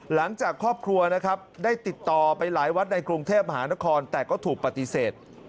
หลังจากครอบครัวนะครับได้ติดต่อไปหลายวัดในกรุงเทพมหานครแต่ก็ถูกปฏิเสธ